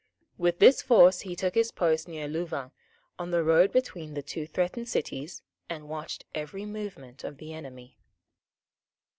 With this force he took his post near Louvain, on the road between the two threatened cities, and watched every movement of the enemy.